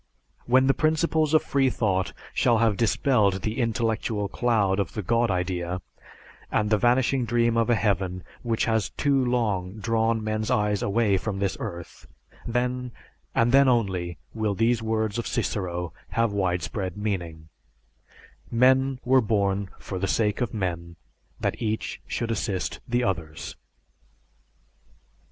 When the principles of freethought shall have dispelled the intellectual cloud of the God idea and the vanishing dream of a heaven which has too long drawn men's eyes away from this earth, then, and then only, will these words of Cicero have widespread meaning: "Men were born for the sake of men, that each should assist the others."